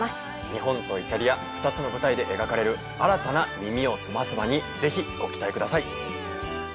日本とイタリア２つの舞台で描かれる新たな『耳をすませば』にぜひご期待ください。